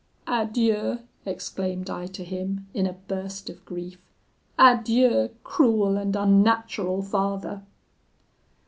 "'Adieu!' exclaimed I to him, in a burst of grief, 'adieu, cruel and unnatural father!'